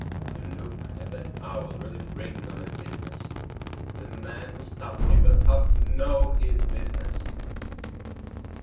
To look at that owl really brings on a dizziness; The man who stuffed him don't half know his business!"